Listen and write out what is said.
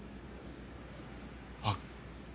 あっ。